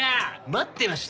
待ってました！